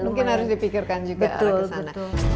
mungkin harus dipikirkan juga ke sana betul betul